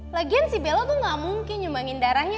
lagian si bella tuh gak mungkin nyumbangin darahnya